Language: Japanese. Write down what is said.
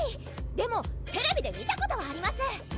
でもテレビで見たことはあります